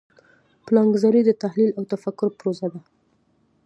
پلانګذاري د تحلیل او تفکر پروسه ده.